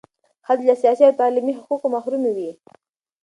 ښځې له سیاسي او تعلیمي حقوقو محرومې وې.